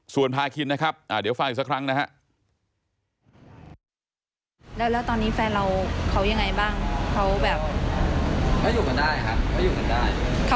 ส่วนพาคินนะครับเดี๋ยวฟังอีกสักครั้งนะครับ